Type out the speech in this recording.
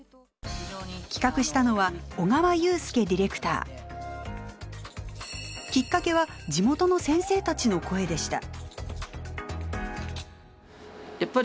企画したのはきっかけは地元の先生たちの声でした。